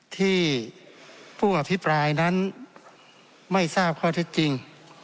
ที่ผู้อภิปรายนั้นไม่ทราบข้อเท็จจริง